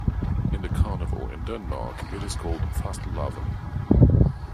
In the Carnival in Denmark, it is called Fastelavn.